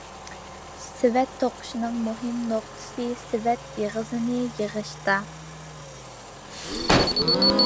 « سېۋەت توقۇشنىڭ مۇھىم نۇقتىسى سېۋەت ئېغىزىنى يىغىشتا».